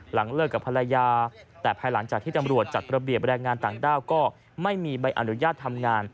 เลิกกับภรรยาแต่ภายหลังจากที่ตำรวจจัดระเบียบแรงงานต่างด้าวก็ไม่มีใบอนุญาตทำงาน